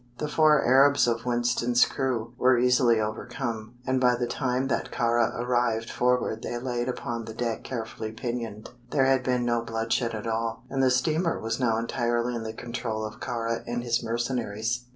The four Arabs of Winston's crew were easily overcome, and by the time that Kāra arrived forward they laid upon the deck carefully pinioned. There had been no bloodshed at all, and the steamer was now entirely in the control of Kāra and his mercenaries.